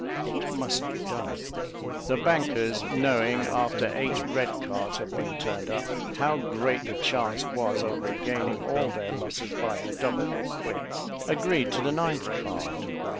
It must be done." The bankers knowing, after eight red cards had been turned up, how great the chance was of regaining all their losses by a double or quits, agreed to the ninth card.